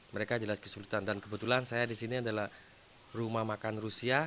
mereka jelas kesulitan dan kebetulan saya di sini adalah rumah makan rusia